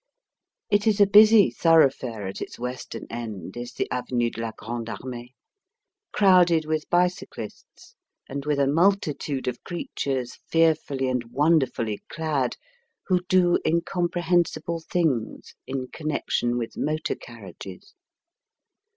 It is a busy thoroughfare at its western end, is the avenue de la Grande Armée, crowded with bicyclists and with a multitude of creatures fearfully and wonderfully clad, who do incomprehensible things in connection with motor carriages.